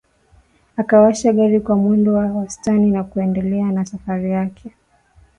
Akawasha gari kwa mwendo wa wastani na kuendelea na safari yake